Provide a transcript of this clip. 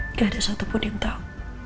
tidak ada satupun yang tahu